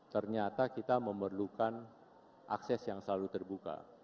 ternyata kita memerlukan akses yang selalu terbuka